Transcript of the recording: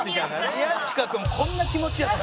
宮近君こんな気持ちやったんや。